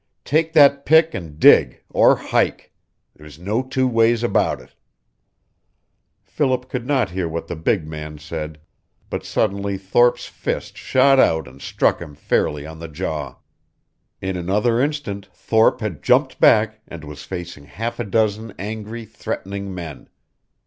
Take that pick and dig or hike. There's no two ways about it." Philip could not hear what the big man said, but suddenly Thorpe's fist shot out and struck him fairly on the jaw. In another instant Thorpe had jumped back, and was facing half a dozen angry, threatening men.